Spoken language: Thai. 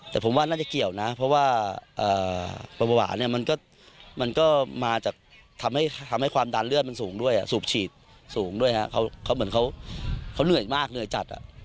แต่ผมว่าน่าจะเกี่ยวนะเพราะว่าเบาหวานเนี่ยมันก็มาจากทำให้ความดันเลือดมันสูงด้วยสูบฉีดสูงด้วยฮะเขาเหมือนเขาเหนื่อยมากเหนื่อยจัด